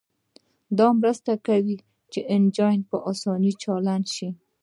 دا مرسته کوي چې انجن په اسانۍ چالان شي